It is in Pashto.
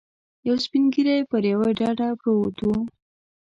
یو سپین ږیری پر یوه ډډه پروت و.